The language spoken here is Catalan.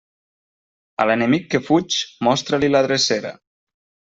A l'enemic que fuig, mostra-li la drecera.